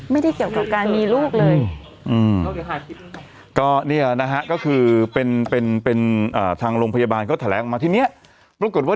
ไม่ได้เกี่ยวกับการมีลูกเลย